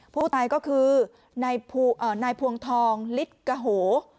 ผู้ตายก็คือนายภวงทองฤทธิ์กะโห